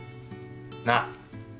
なあ？